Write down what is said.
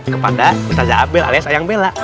kepada ustazah abel alias ayang bela